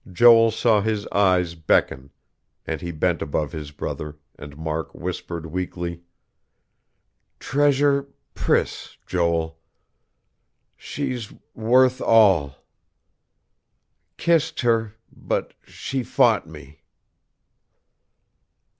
Joel saw his eyes beckon; and he bent above his brother, and Mark whispered weakly: "Treasure Priss, Joel. She's worth all.... Kissed her, but she fought me...."